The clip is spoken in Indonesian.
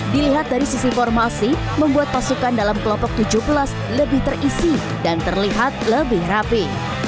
dilihat dari sisi formasi membuat pasukan dalam kelompok tujuh belas lebih terisi dan terlihat lebih rapi